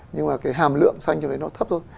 nhưng mà cái hàm lượng xanh như đấy nó thấp thôi